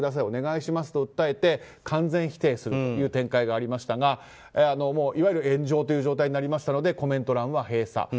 お願いしますと訴えて完全否定する展開がありましたがいわゆる炎上という状態になりましたのでコメント欄は閉鎖。